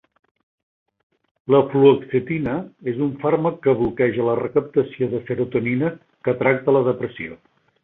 La fluoxetina és un fàrmac que bloqueja la recaptació de serotonina -que tracta la depressió-.